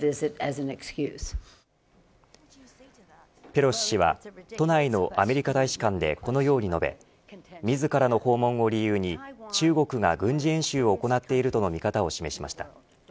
ペロシ氏は都内のアメリカ大使館でこのように述べ自らの訪問を理由に中国が軍事演習を行っているとの見方を示しました。